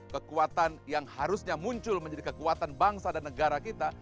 kekuatan yang harusnya muncul menjadi kekuatan bangsa dan negara kita